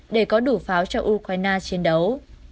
để có đủ pháo cho ukraine chiến đấu